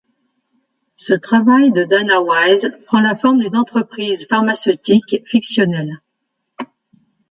Ce travail de Dana Wyse prend la forme d'une entreprise pharmaceutique fictionnelle.